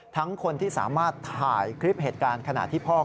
ทั้งคนที่สามารถถ่ายคลิปเหตุการณ์